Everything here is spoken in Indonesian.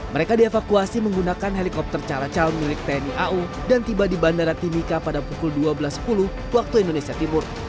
mereka dievakuasi menggunakan helikopter caracal milik tni au dan tiba di bandara timika pada pukul dua belas sepuluh waktu indonesia timur